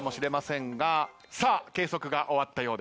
さあ計測が終わったようです。